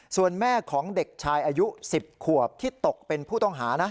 ส่วนแม่ของเด็กชายอายุ๑๐ขวบที่ตกเป็นผู้ต้องหานะ